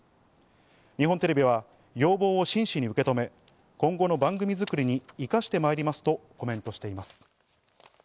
日本テレビは要望を真摯に受け止め、今後の番組作りに生かしてまいりますとコメントしています。